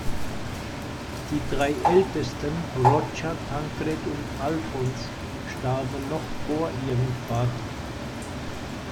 Die drei ältesten, Roger, Tankred und Alfons, starben noch vor ihrem Vater.